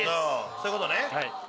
そういうことね。